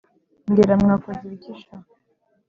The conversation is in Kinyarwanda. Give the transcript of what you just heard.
mbwira mwakoze ibiki sha!"